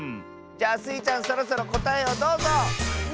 じゃあスイちゃんそろそろこたえをどうぞ！